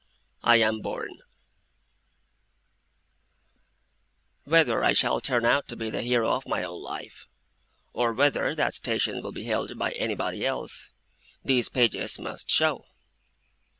I AM BORN Whether I shall turn out to be the hero of my own life, or whether that station will be held by anybody else, these pages must show.